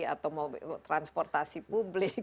atau mobil transportasi publik